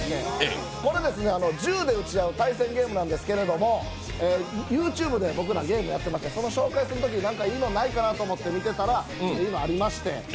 これ、銃で撃ち合う対戦ゲームなんですけれども、ＹｏｕＴｕｂｅで僕らゲームやってまして紹介するときに何かいいのないかなと思って見ていたら、こういうのがありまして、